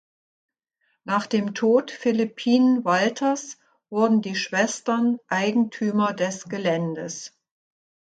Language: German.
Nach dem Tod Philippine Walters wurden die Schwestern Eigentümer des Geländes.